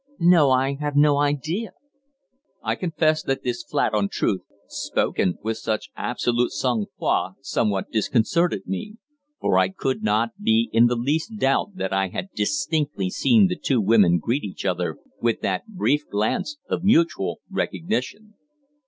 "No, I have no idea." I confess that this flat untruth, spoken with such absolute sang froid, somewhat disconcerted me. For I could not be in the least doubt that I had distinctly seen the two women greet each other with that brief glance of mutual recognition.